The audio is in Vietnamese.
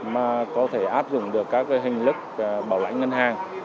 mà có thể áp dụng được các hình thức bảo lãnh ngân hàng